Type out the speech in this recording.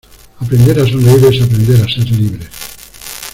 Aprender a sonreír es aprender a ser libres.